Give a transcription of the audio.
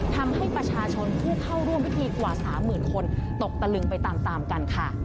ทำให้ประชาชนผู้เข้าร่วมพิธีกว่า๓๐๐๐คนตกตะลึงไปตามตามกันค่ะ